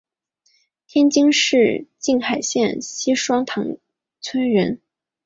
天津市静海县西双塘村人。